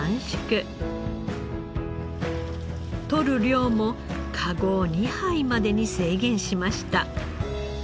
取る量も籠２杯までに制限しました。